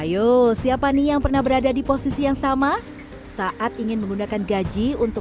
ayo siapa nih yang pernah berada di posisi yang sama saat ingin menggunakan gaji untuk